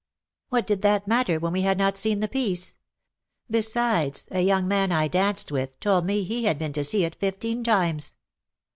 ''''^' What did that matter, when we had not seen the piece ? Besides, a young man I danced with told me he had been to see it fifteen times.